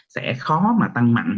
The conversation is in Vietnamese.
sẽ khó mà tăng mạnh